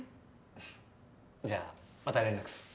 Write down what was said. ふふっじゃあまた連絡する。